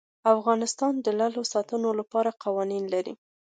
افغانستان د لعل د ساتنې لپاره قوانین لري.